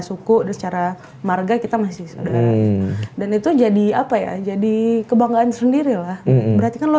suku dan secara marks kita masih dan itu jadi apa ya jadi kebanggaan sendirilah berarti lu